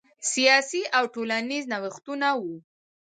سیاسي او ټولنیز نوښتونه وو.